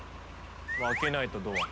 開けないとドア。